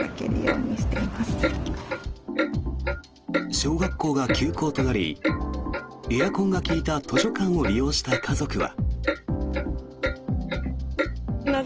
小学校が休校となりエアコンが利いた図書館を利用した家族は。